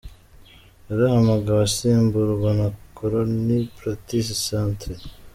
Yarahamagawe asimburwa na koloneli Patrice Sartre.